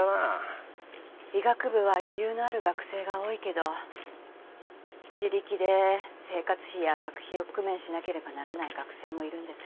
医学部は余裕のある学生が多いけど自力で生活費や学費を工面しなければならない学生もいるんです。